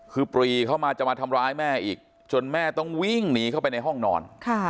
คือปรีเข้ามาจะมาทำร้ายแม่อีกจนแม่ต้องวิ่งหนีเข้าไปในห้องนอน